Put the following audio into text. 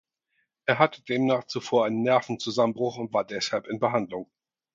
Er hatte demnach zuvor einen Nervenzusammenbruch und war deshalb in Behandlung.